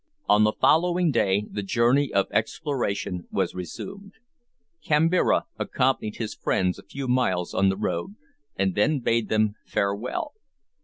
On the following day the journey of exploration was resumed. Kambira accompanied his friends a few miles on the road, and then bade them farewell.